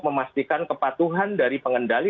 memastikan kepatuhan dari pengendali